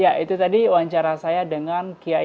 ya itu tadi wawancara saya dengan kiai